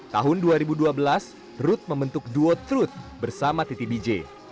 tahun dua ribu dua belas ruth membentuk duo truth bersama titi dj